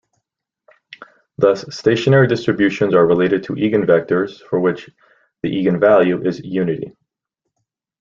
Thus stationary distributions are related to eigenvectors for which the eigenvalue is unity.